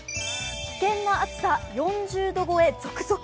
危険な暑さ４０度超え続々。